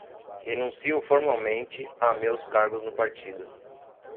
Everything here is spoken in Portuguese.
Renuncio formalmente a meus cargos no Partido